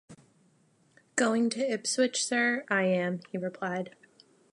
‘Going to Ipswich, Sir?’ ‘I am,’ he replied.